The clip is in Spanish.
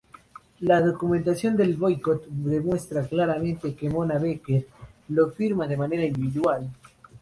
La documentación del boicot demuestra claramente que Mona Baker lo firma de manera individual.